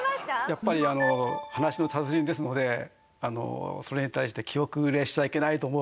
やっぱり話の達人ですのでそれに対して気後れしちゃいけないと思う